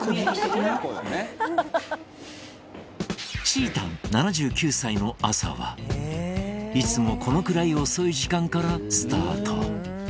ちーたん、７９歳の朝はいつもこのくらい遅い時間からスタート。